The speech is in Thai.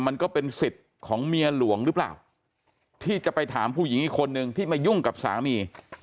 มันก็เป็นสิทธิ์ของเมียหลวงหรือเปล่าที่จะไปถามผู้หญิงอีกคนนึงที่มายุ่งกับสามี